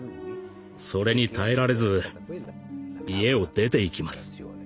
それに耐えられず家を出ていきます。